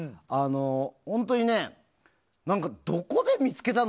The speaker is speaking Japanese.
本当にどこで見つけたの？